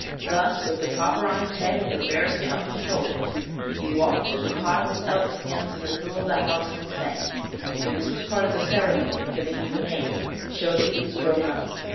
Thus with the copper on his head and the bear skin on his shoulders he walked to the pile of elk skins in the middle of the house and sang, for this was part of the ceremony of giving him a name to show that he was grown up.